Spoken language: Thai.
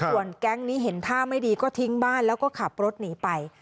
ส่วนแก๊งนี้เห็นท่าไม่ดีก็ทิ้งบ้านแล้วก็ขับรถหนีไป